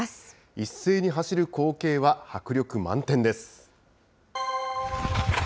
一斉に走る光景は、迫力満点です。